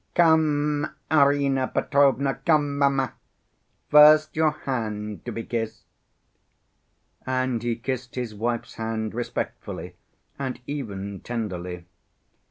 Come, Arina Petrovna, come, mamma, first your hand to be kissed." And he kissed his wife's hand respectfully and even tenderly.